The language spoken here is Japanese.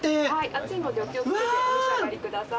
熱いのでお気を付けてお召し上がりください。